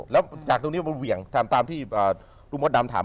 แล้วจากตรงนี้มันเหวี่ยงตามที่คุณมดดำถาม